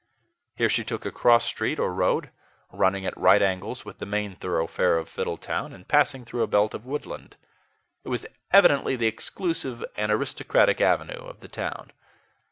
Here she took a cross street or road, running at right angles with the main thoroughfare of Fiddletown and passing through a belt of woodland. It was evidently the exclusive and aristocratic avenue of the town.